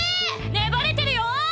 粘れてるよ！